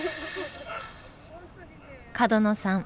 角野さん